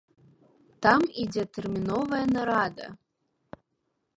Там ідзе тэрміновая нарада.